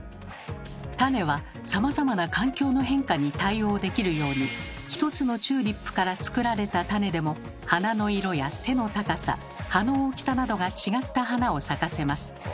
種はさまざまな環境の変化に対応できるように一つのチューリップからつくられた種でも花の色や背の高さ葉の大きさなどが違った花を咲かせます。